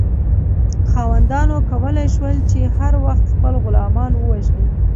خاوندانو کولی شول چې هر وخت خپل غلامان ووژني.